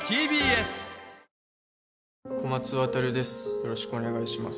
よろしくお願いします